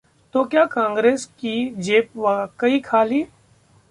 तो क्या कांग्रेस की जेब वाकई खाली...